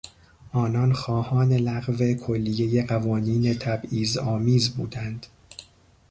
آنان خواهان لغو کلیهی قوانین تبعیضآمیز بودند.